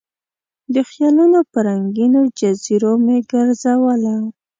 د خیالونو په رنګینو جزیرو مې ګرزوله